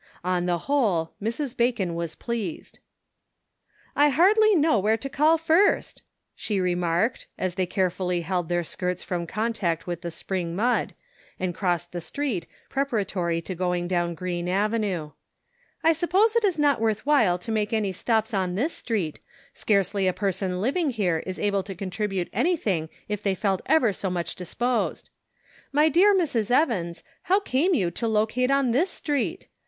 On the whole, Mrs. Ba con was pleased. " I hardly know where to call first," she re 64 The Pocket Measure. marked, as they carefully held their skirts from contact with the spring mud, and crossed the street, preparatory to going down Green Av enue. " I suppose it is not worth while to make any stops on this street, scarcely a person living here is able to contribute anything if they felt ever so much disposed. My dear Mrs. Evans, how came you to locate on this street?